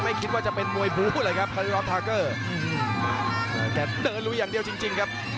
ไม่คิดว่าจะเป็นมวยบู๋เลยครับคารีลอฟทาร์เกอร์อือหือแต่เดินลงอย่างเดียวจริงจริงครับ